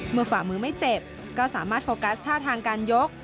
ฝ่ามือไม่เจ็บก็สามารถโฟกัสท่าทางการยก